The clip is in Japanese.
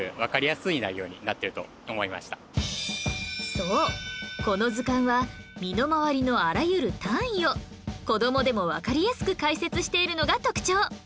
そうこの図鑑は身の回りのあらゆる単位を子どもでもわかりやすく解説しているのが特徴！